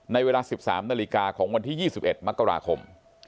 ในเวลา๑๓นาฬิกาของวันที่๒๑มกราคม